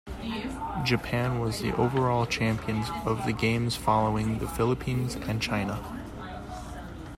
Japan was the overall champions of the Games following the Philippines, and China.